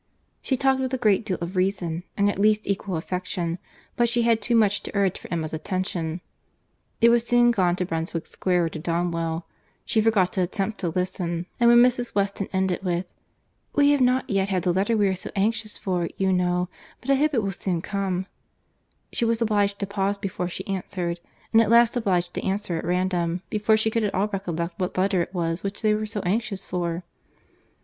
She talked with a great deal of reason, and at least equal affection—but she had too much to urge for Emma's attention; it was soon gone to Brunswick Square or to Donwell; she forgot to attempt to listen; and when Mrs. Weston ended with, "We have not yet had the letter we are so anxious for, you know, but I hope it will soon come," she was obliged to pause before she answered, and at last obliged to answer at random, before she could at all recollect what letter it was which they were so anxious for.